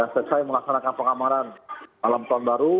setelah melaksanakan pengamanan malam tahun baru